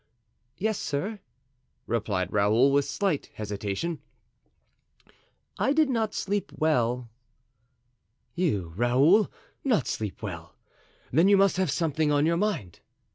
"Yes, sir," replied Raoul, with slight hesitation; "I did not sleep well." "You, Raoul, not sleep well! then you must have something on your mind!"